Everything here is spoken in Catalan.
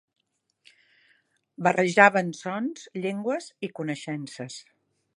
Barrejaven sons, llengües i coneixences.